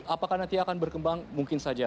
apakah nanti akan berkembang mungkin saja